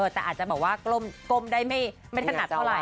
แต่อาจจะแบบว่าก้มได้ไม่ถนัดเท่าไห